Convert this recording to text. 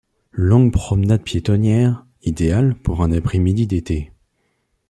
Longue promenade piétonnière, idéale pour un après-midi d'été.